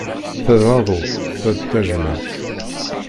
Ta d aḍu ta d tajemmaɛt.